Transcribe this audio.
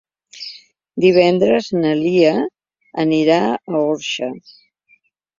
Divendres na Lia anirà a l'Orxa.